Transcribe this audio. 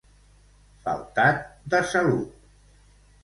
Faltat de salut.